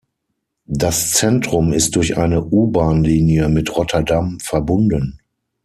Das Zentrum ist durch eine U-Bahnlinie mit Rotterdam verbunden.